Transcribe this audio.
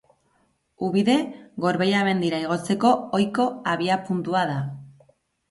Ubide, Gorbeia mendira igotzeko ohiko abiapuntua da.